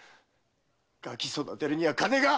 ガキ育てるには金が！